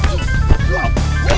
kau harus hafal penuh ya